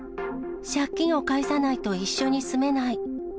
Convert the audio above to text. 借金を返さないと一緒に住めない。